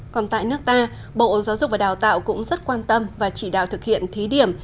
còn tại nước ta bộ giáo dục và đào tạo cũng rất quan tâm và chỉ đạo thực hiện thí điểm